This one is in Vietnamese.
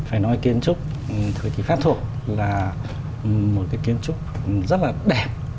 phải nói kiến trúc thời kỳ pháp thuộc là một cái kiến trúc rất là đẹp